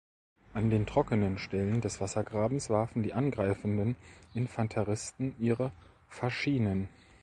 An den trockenen Stellen des Wassergrabens warfen die angreifenden Infanteristen ihre Faschinen.